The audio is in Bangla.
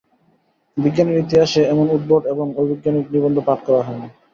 বিজ্ঞানের ইতিহাসে এমন উদ্ভট এবং অবৈজ্ঞানিক নিবন্ধ পাঠ করা হয় নি।